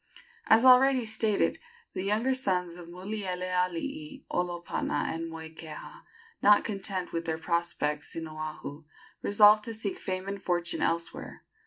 As already stated, the younger sons of Mulielealii, Olopana and Moikeha, not content with their prospects in Oahu, resolved to seek fame and fortune elsewhere.